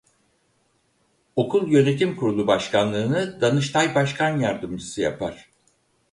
Okul Yönetim Kurulu Başkanlığı'nı Danıştay Başkan yardımcısı yapar.